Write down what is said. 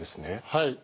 はい。